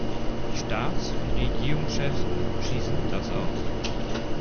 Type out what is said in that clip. Die Staats- und Regierungschefs schließen das aus.